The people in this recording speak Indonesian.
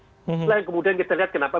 selain kemudian kita lihat kenapa